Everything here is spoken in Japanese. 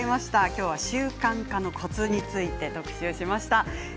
きょうは習慣化のコツについて特集しました。